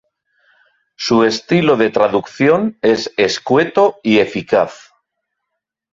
Su estilo de traducción es escueto y eficaz.